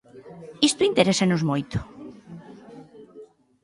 Isto interésanos moito.